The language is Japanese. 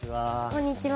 こんにちは。